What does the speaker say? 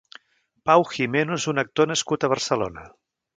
Pau Gimeno és un actor nascut a Barcelona.